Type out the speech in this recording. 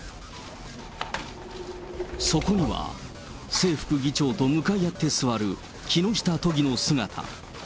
そこには、正副議長と向かい合って座る木下都議の姿。